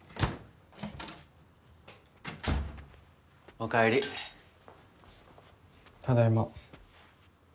おかえりただいま